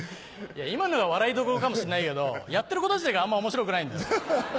今のが笑いどころかもしれないけどやってること自体があんま面白くないんだよ。